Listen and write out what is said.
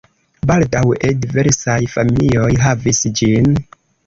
Baldaŭe diversaj familioj havis ĝin.